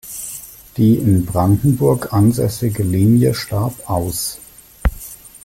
Die in Brandenburg ansässige Linie starb aus.